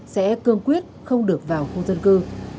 sẽ cương quyết không được vào khu dân cư